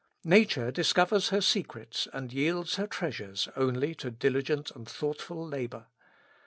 Nature dis covers her secrets and yields her treasures only to diligent and thoughtful labor.